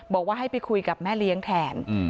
บอกว่าให้ไปคุยกับแม่เลี้ยงแทน